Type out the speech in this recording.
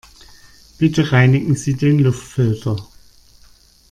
Bitte reinigen Sie den Luftfilter.